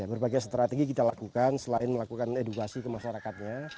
berbagai strategi kita lakukan selain melakukan edukasi ke masyarakatnya